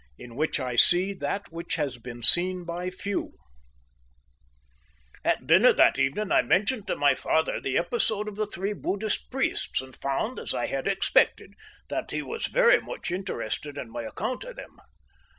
IN WHICH I SEE THAT WHICH HAS BEEN SEEN BY FEW At dinner that evening I mentioned to my father the episode of the three Buddhist priests, and found, as I had expected, that he was very much interested by my account of them.